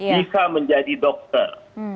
bisa menjadi dokter